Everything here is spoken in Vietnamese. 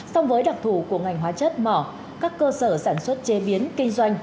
song với đặc thù của ngành hóa chất mỏ các cơ sở sản xuất chế biến kinh doanh